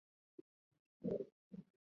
主要有两种类型的树突和轴突。